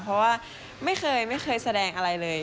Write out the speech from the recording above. เพราะว่าไม่เคยแสดงอะไรเลย